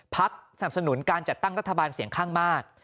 สนับสนุนการจัดตั้งรัฐบาลเสียงข้างมาก